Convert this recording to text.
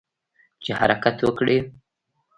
چې حرکت وکړي.